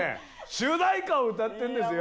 主題歌を歌ってんですよ。